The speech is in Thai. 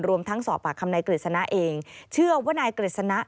รวมทั้งสอบปากคำนายกฤษณะเองเชื่อว่านายกฤษณะ